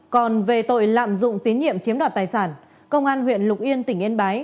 còn về tội lạm dụng tín nhiệm chiếm đoạt tài sản công an huyện lục yên tỉnh yên bái